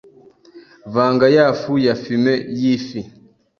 Vanga yafu ya fumet y’ifi